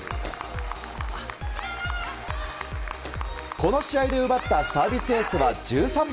この試合で奪ったサービスエースは１３本。